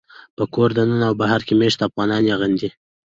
په کور دننه او بهر کې مېشت افغانان یې غندي